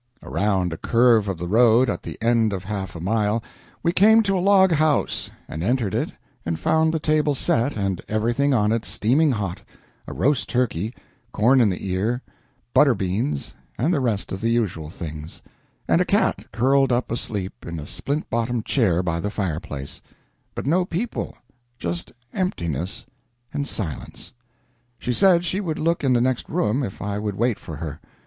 Around a curve of the road, at the end of half a mile, we came to a log house, and entered it and found the table set and everything on it steaming hot a roast turkey, corn in the ear, butterbeans, and the rest of the usual things and a cat curled up asleep in a splint bottomed chair by the fireplace; but no people; just emptiness and silence. She said she would look in the next room if I would wait for her.